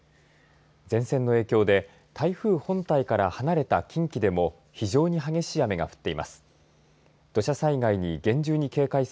前線の影響で台風本体から離れた近畿でも非常に激しい雨が降っています。